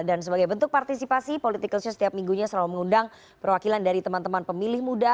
dan sebagai bentuk partisipasi political show setiap minggunya selalu mengundang perwakilan dari teman teman pemilih muda